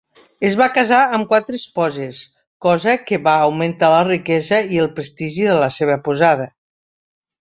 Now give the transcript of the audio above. Es va casar amb quatre esposes, cosa que va augmentar la riquesa i el prestigi de la seva posada.